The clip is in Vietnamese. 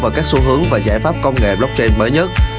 vào các xu hướng và giải pháp công nghệ blockchain mới nhất